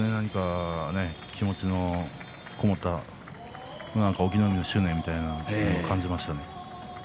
気持ちのこもった隠岐の海の執念のようなものを感じました。